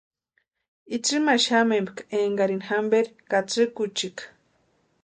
Itsïmaxamempka énkarini jamperu katsïkuchika.